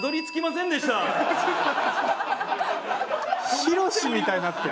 ヒロシみたいになってる。